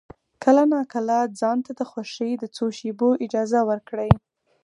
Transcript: کله ناکله ځان ته د خوښۍ د څو شېبو اجازه ورکړه.